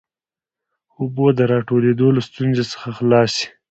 اوبو د راټولېدو له ستونزې څخه خلاص سي.